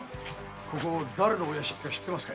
ここがだれのお屋敷か知ってますか？